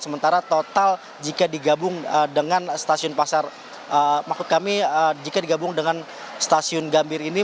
sementara total jika digabung dengan stasiun pasar maksud kami jika digabung dengan stasiun gambir ini